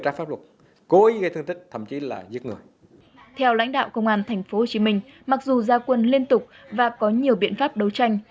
theo lãnh đạo công an tp hcm mặc dù gia quân liên tục và có nhiều biện pháp đấu tranh